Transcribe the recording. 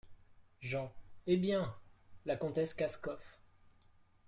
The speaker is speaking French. Jean. — Eh bien ! la comtesse Kaskoff.